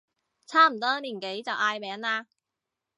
差唔多年紀就嗌名啦